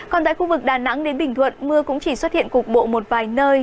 còn tại khu vực đà nẵng đến bình thuận mưa cũng chỉ xuất hiện cục bộ một vài nơi